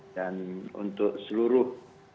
dan untuk seluruh pemerintah arab saudi